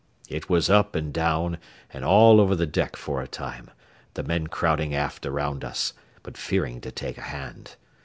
It was up and down, and all over the deck for a time, the men crowding aft around us, but fearing to take a hand.